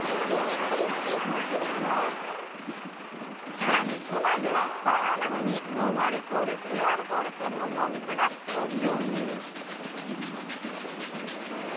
さらに都内ではバーなのにノンアルコール低アルコ―ル専門のお店が登場。